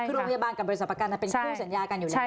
คือโรงพยาบาลกับบริษัทประกันเป็นคู่สัญญากันอยู่แล้ว